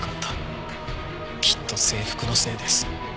きっと制服のせいです。